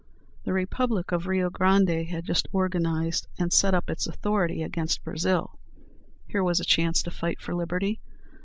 The Republic of Rio Grande had just organized and set up its authority against Brazil. Here was a chance to fight for liberty.